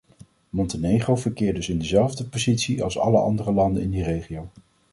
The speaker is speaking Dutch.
Montenegro verkeert dus in dezelfde positie als alle andere landen in die regio.